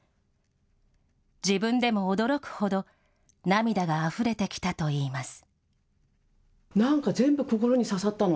自分でも驚くほど、涙があふれてきたといいます。